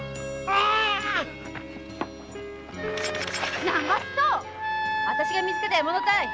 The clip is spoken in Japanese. あたしが見つけた獲物たい。